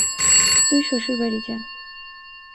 তুই শ্বশুর বাড়ি যা।